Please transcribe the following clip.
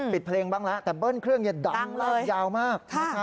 ปิดเพลงบ้างแล้วแต่เบิ้ลเครื่องดังมากยาวมาก